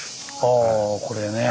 あこれね。